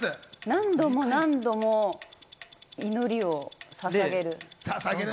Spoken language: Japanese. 何度も何度も祈りをささげる。